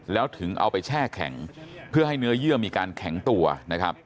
แล้วถึงเอาไปแช่แข็งเพื่อให้เนื้อเยื่อมีการแข็งตัวนะครับ